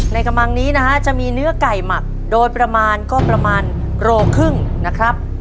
กระมังนี้นะฮะจะมีเนื้อไก่หมักโดยประมาณก็ประมาณโครครึ่งนะครับ